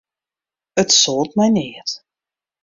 It soalt my neat.